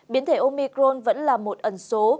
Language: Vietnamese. biến thể omicron vẫn là một ẩn số